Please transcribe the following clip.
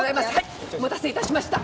お待たせ致しました。